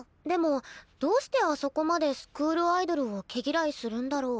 でもどうしてあそこまでスクールアイドルを毛嫌いするんだろう。